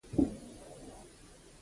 خټکی پخېدل وخت غواړي.